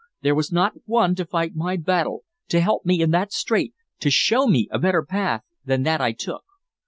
There was not one to fight my battle, to help me in that strait, to show me a better path than that I took.